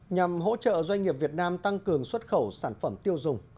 nhằm hỗ trợ doanh nghiệp việt nam tăng cường xuất khẩu sản phẩm tiêu dùng